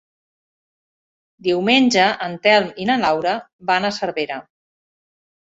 Diumenge en Telm i na Laura van a Cervera.